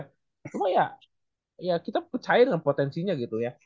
cuman ya kita percaya dengan potensinya gitu ya